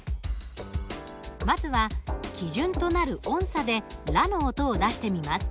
まずは基準となる音さでラの音を出してみます。